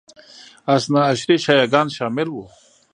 اثناعشري شیعه ګان شامل وو